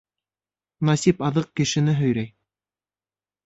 Насип аҙыҡ кешене һөйрәй.